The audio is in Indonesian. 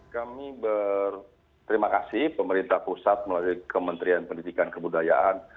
kami berterima kasih pemerintah pusat melalui kementerian pendidikan kebudayaan